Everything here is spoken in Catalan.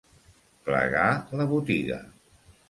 Plegar la botiga.